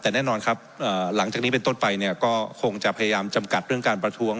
แต่แน่นอนครับหลังจากนี้เป็นต้นไปเนี่ยก็คงจะพยายามจำกัดเรื่องการประท้วง